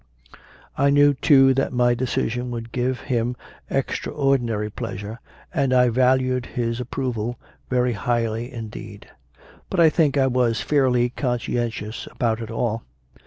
I knew, too, that my decision would give him ex traordinary pleasure, and I valued his approval very highly indeed. But I think I was fairly conscientious about it all.